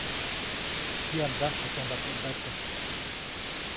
¿tiyam mdsamjatyamba teʼ ndata?